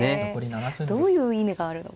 どういう意味があるのか。